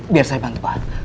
biar saya bantu pak